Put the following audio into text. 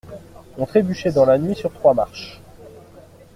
On trébuchait dans la nuit sur trois marches.